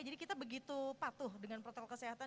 jadi kita begitu patuh dengan protokol kesehatan